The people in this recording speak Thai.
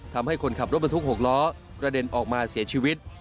ทำให้คนขับรถบรรทุก๖ล้อกระเด็นออกมาเสียชีวิต